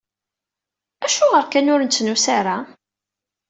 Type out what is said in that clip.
Acuɣer kan ur nettnusu ara?